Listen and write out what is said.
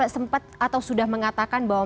sempat atau sudah mengatakan bahwa